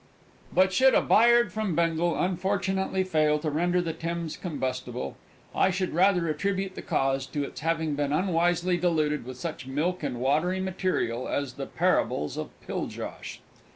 But should "A Bayard from Bengal" unfortunately fail to render the Thames combustible, I should rather attribute the cause to its having been unwisely diluted with such milk and watery material as the Parables of Piljosh.